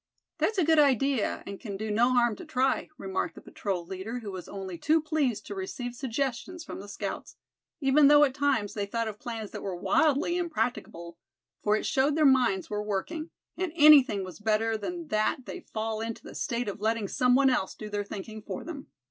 "That's a good idea, and can do no harm to try," remarked the patrol leader, who was only too pleased to receive suggestions from the scouts, even though at times they thought of plans that were wildly impracticable; for it showed their minds were working; and anything was better than that they fall into the state of letting some one else do their thinking for them.